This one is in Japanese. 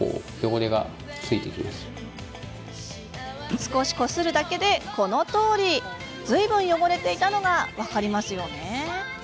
少しこするだけで、このとおり。ずいぶん汚れていたのが分かりますね。